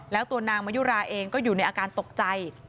แล้วตัวนางมายุราเองก็อยู่ในอาการตกใจ